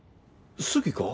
好きか？